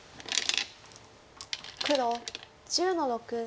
黒１０の六。